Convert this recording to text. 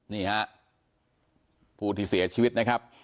นี่ฮะผู้ที่เสียชีวิตนะครับ